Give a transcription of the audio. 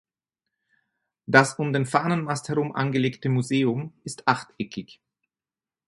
Das um den Fahnenmast herum angelegte Museum ist achteckig.